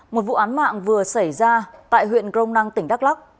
một vụ án mạng vừa xảy ra tại huyện grom năng tỉnh đắk lắc